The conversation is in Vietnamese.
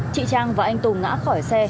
chị trang và anh tùng ngã khỏi xe